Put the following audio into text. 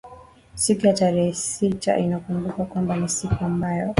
siku ya tarehe sita inakumbukwa kwamba ni siku ambayo